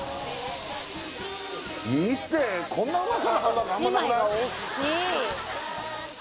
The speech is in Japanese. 見てこんなうまそうなハンバーグあんまなくない？